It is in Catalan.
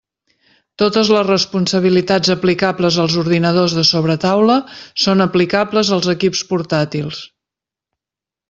Totes les responsabilitats aplicables als ordinadors de sobretaula són aplicables als equips portàtils.